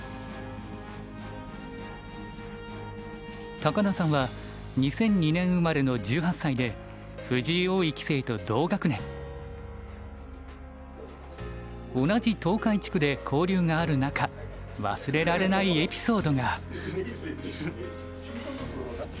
高田さんは２００２年生まれの１８歳で同じ東海地区で交流がある中忘れられないエピソードが。